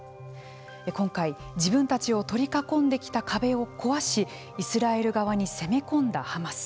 今回自分たちを取り囲んできた壁を壊しイスラエル側に攻め込んだハマス。